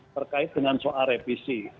terkait dengan soal reprisi